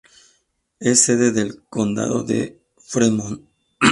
Es sede del condado de Fremont.